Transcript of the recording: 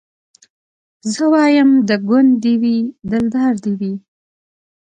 زه وايم د ګوند دي وي دلدار دي وي